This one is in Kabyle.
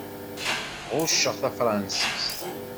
Ɣucceɣ tafṛansist.